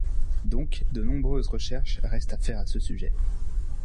Donc, de nombreuses recherches restent à faire à ce sujet.